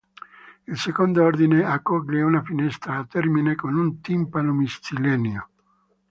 Il secondo ordine accoglie una finestra e termina con un timpano mistilineo.